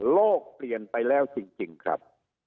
โลกเปลี่ยนไปแล้วจริงครับ